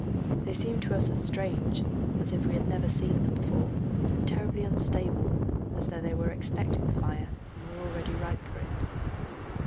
They seemed to us as strange, as if we had never seen them before, and terribly unstable, as though they were expecting the fire and were already ripe for it.